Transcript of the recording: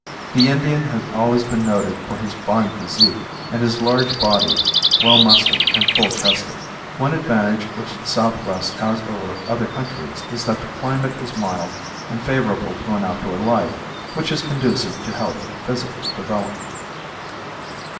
The Indian has always been noted for his fine physique, and is large bodied, well muscled and full chested. One advantage which the southwest has over other countries is that the climate is mild and favorable to an outdoor life, which is conducive to health and physical development.